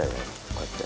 こうやって。